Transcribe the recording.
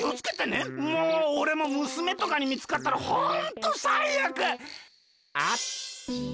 もうおれもむすめとかにみつかったらホントさいあく！あっ！